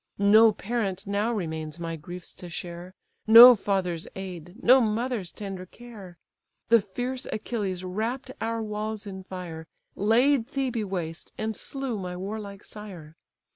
No parent now remains my griefs to share, No father's aid, no mother's tender care. The fierce Achilles wrapt our walls in fire, Laid Thebe waste, and slew my warlike sire!